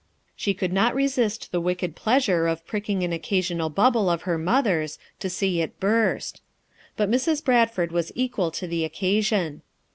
She could not resist the wicked pleasure of pricking an oc casional bubble of her mother's, to see it burst. But Mrs. Bradford was equal to the occa sion.